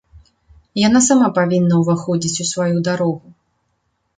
Яна сама павінна ўваходзіць у сваю дарогу.